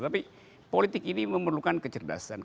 tapi politik ini memerlukan kecerdasan